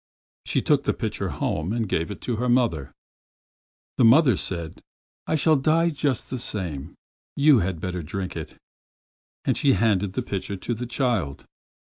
She took the pitcher home and gave it to her mother. The mother said, " I shall die just the same ; you had better drink it,' : and she handed the pitcher to the child.